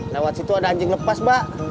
lewat situ ada anjing lepas mbak